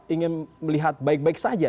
ingin melihat baik baik saja